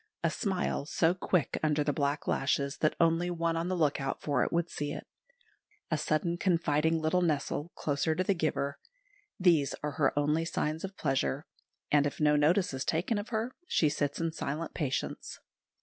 A smile, so quick under the black lashes that only one on the look out for it would see it, a sudden confiding little nestle closer to the giver these are her only signs of pleasure; and if no notice is taken of her, she sits in silent patience.